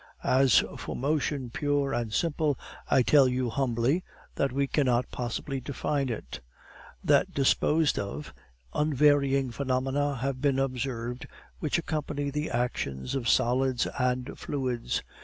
As for motion pure and simple, I tell you humbly, that we cannot possibly define it. That disposed of, unvarying phenomena have been observed which accompany the actions of solids and fluids.